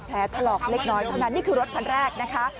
ถลอกเล็กน้อยเท่านั้นนี่คือรถคันแรกนะคะ